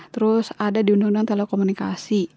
terus ada di undang undang telekomunikasi